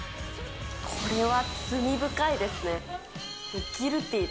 これは罪深いですね。